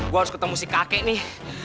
gue harus ketemu si kakek nih